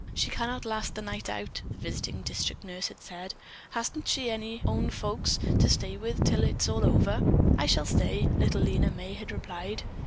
"She cannot last the night out," the visiting district nurse had said. "Hastn't she any own folks to stay with her till it's all over?" "I shall stay," little Lena May had replied.